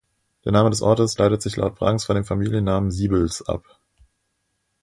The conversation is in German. Der Name des Ortes leitet sich laut Brangs von dem Familiennamen Siebels ab.